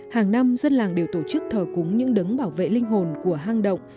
hàng năm dân làng đều tổ chức thờ cúng những đứng bảo vệ linh hồn của hang động